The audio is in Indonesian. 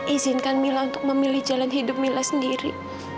izinkan mila untuk memilih jalan hidup mila sendiri